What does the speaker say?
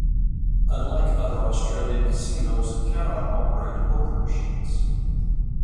Unlike other Australian casinos, it cannot operate poker machines.